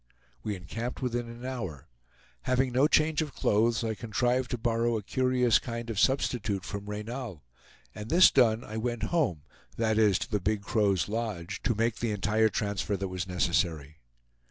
We encamped within an hour. Having no change of clothes, I contrived to borrow a curious kind of substitute from Reynal: and this done, I went home, that is, to the Big Crow's lodge to make the entire transfer that was necessary.